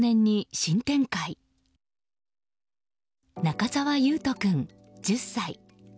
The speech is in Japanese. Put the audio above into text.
中澤維斗君、１０歳。